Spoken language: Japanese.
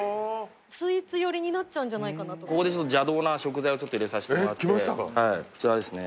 スイーツ寄りになっちゃうんじゃないかなとここでちょっと邪道な食材をちょっと入れさせてもらってきましたかはいこちらですね